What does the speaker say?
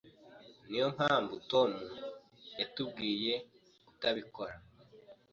Niyo mpamvu Tom yatubwiye kutabikora.